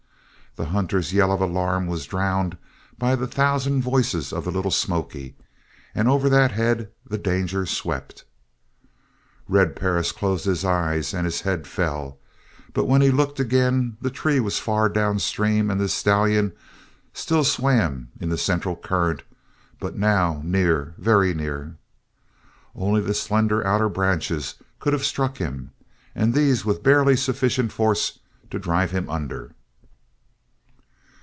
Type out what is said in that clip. The hunter's yell of alarm was drowned by the thousand voices of the Little Smoky, and over that head the danger swept. Red Perris closed his eyes and his head fell, but when he looked again the tree was far down stream and the stallion still swam in the central current, but now near, very near. Only the slender outer branches could have struck him, and these with barely sufficient force to drive him under.